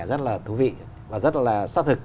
rất là thú vị và rất là xác thực